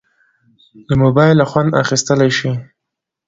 له موبایله خوند اخیستیلی شې.